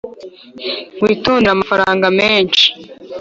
witondere amafaranga menshi